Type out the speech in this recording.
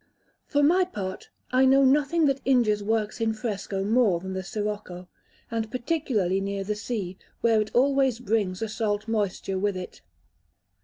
For my part, I know nothing that injures works in fresco more than the sirocco, and particularly near the sea, where it always brings a salt moisture with it.